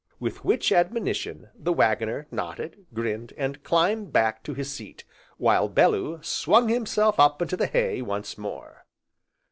With which admonition, the Waggoner nodded, grinned, and climbed back to his seat, while Bellew swung himself up into the hay once more.